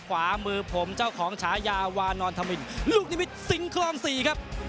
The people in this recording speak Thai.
ขวามือผมเจ้าของฉายาวานอนธมินลูกนิมิตสิงคลองสี่ครับ